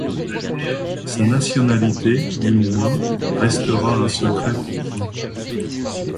Sa nationalité, du moins, restera un secret pour vous.